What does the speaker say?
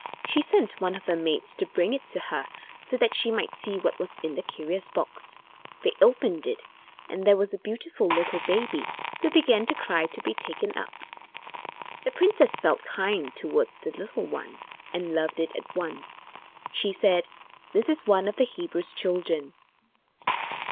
She sent one of her maids to bring it to her so that she might see what was in the curious box. They opened it, and there was a beautiful little baby, who began to cry to be taken up. The princess felt kind toward the little one, and loved it at once. She said: "This is one of the Hebrews' children."